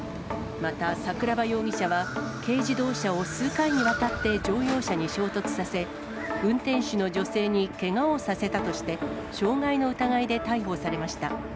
また、桜庭容疑者は、軽自動車を数回にわたって乗用車に衝突させ、運転手の女性にけがをさせたとして、傷害の疑いで逮捕されました。